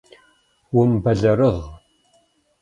Умыбэлэрыгъ!